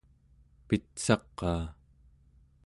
pitsaqaa